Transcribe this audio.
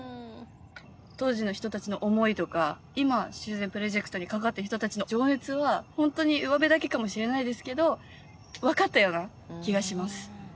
当時の人達の思いとか今修繕プロジェクトに関わっている人達の情熱はホントにうわべだけかもしれないですけど分かったような気がします